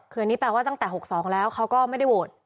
คืออันนี้แปลว่าตั้งแต่๖๒แล้วเขาก็ไม่ได้โหวต